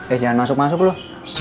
eh jangan masuk masuk loh